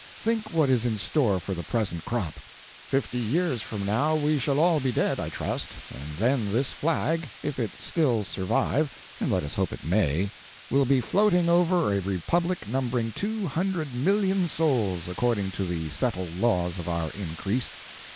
Think what is in store for the present crop! Fifty years from now we shall all be dead, I trust, and then this flag, if it still survive (and let us hope it may), will be floating over a Republic numbering 200, 000,000 souls, according to the settled laws of our increase.